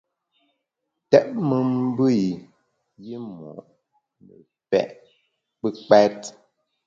Tèt me mbe i yimo’ ne pe’ kpùkpèt.